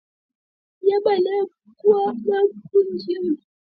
Mnyama aliyekuwa kwa pumu njia ya upumuaji kuwa na uteute wa njano